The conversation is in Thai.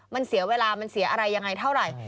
มันเสียเวลามันเสียอะไรยังไงเท่าไหร่